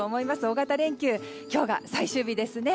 大型連休は今日が最終日ですね。